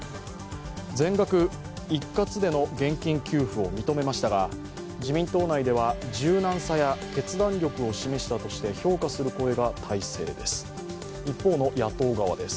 全額、一括での現金給付を認めましたが自民党内では柔軟さや決断力を示したとして評価する声が大勢です。